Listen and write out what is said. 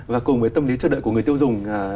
và cùng với tâm lý chờ đợi của người tiêu dùng